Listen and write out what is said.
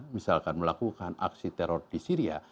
misalkan melakukan aksi teror di syria